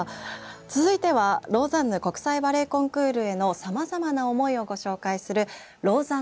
続いてはローザンヌ国際バレエコンクールへのさまざまな思いをご紹介する「ローザンヌ・ストーリー」。